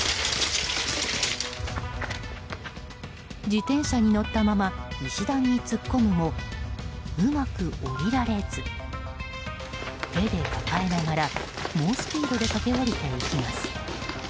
自転車に乗ったまま石段に突っ込むもうまく下りられず手で押さえながら猛スピードで駆け下りていきます。